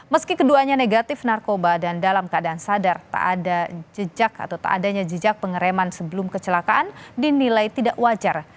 meski keduanya negatif narkoba dan dalam keadaan sadar tak ada jejak atau tak adanya jejak pengereman sebelum kecelakaan dinilai tidak wajar